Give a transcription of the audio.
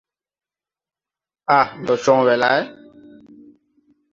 Ãã, ndɛ cɔŋ wɛ lay.